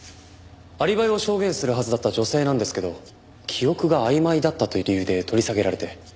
アリバイを証言するはずだった女性なんですけど記憶があいまいだったという理由で取り下げられて。